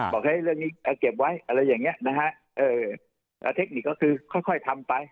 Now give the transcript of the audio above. บอกให้เรื่องนี้เก็บไว้อะไรอย่างนี้นะฮะเทคนิคก็คือค่อยทำไป